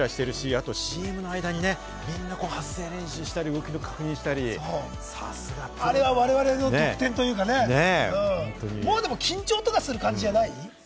あとＣＭの間にね、みんな、こう、発声練習したり動きを確認したり、さすが。あれは我々の特典というかね、もう緊張とかする感じじゃない？